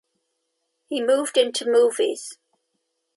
He moved into movies.